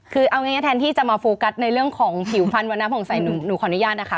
คือเอาง่ายแทนที่จะมาโฟกัสในเรื่องของผิวพันธ์วันน้ำผ่องใสหนูขออนุญาตนะคะ